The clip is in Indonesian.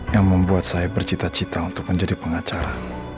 yang membuat saya bercita cita untuk menjadi pengacara